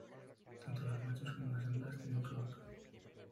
Tanto los machos como las hembras tienen cloaca.